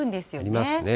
ありますね。